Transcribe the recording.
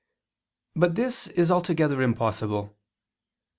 But this is altogether impossible.